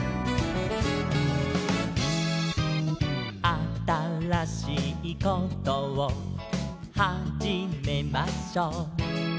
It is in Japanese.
「あたらしいことをはじめましょう」